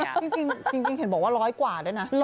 จริงเห็นบอกว่า๑๐๐กว่าเนอะ